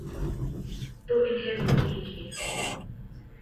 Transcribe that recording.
تو انہیں دور کیجیے۔